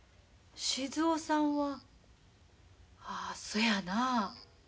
静尾さんはああそやなあ。